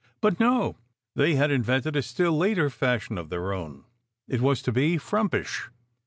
But no! They had invented a still later fashion of their own. It was to be frumpish.